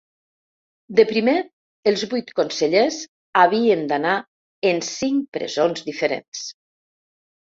De primer, els vuit consellers havien d’anar en cinc presons diferents.